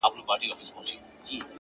صبر د هیلو ساتونکی دیوال دی،